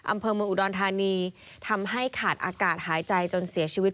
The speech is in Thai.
อำเภอเมืองอุดรธานีทำให้ขาดอากาศหายใจจนเสียชีวิต